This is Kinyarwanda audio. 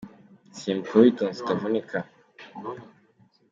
Simbuka witonze utavunika.